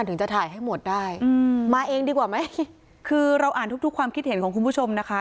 ถึงจะถ่ายให้หมดได้อืมมาเองดีกว่าไหมคือเราอ่านทุกทุกความคิดเห็นของคุณผู้ชมนะคะ